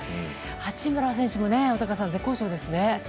八村選手も絶好調ですね。